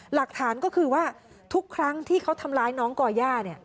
หลักฐานก็คือว่าทุกครั้งที่เขาทำร้ายน้องก่อย่า